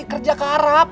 kerja ke arab